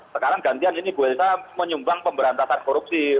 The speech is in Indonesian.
sekarang gantian ini bu elsa menyumbang pemberantasan korupsi